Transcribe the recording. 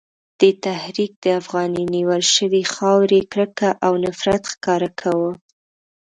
دې تحریک د افغاني نیول شوې خاورې کرکه او نفرت ښکاره کاوه.